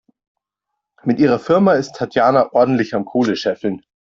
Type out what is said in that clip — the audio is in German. Mit ihrer Firma ist Tatjana ordentlich am Kohle scheffeln.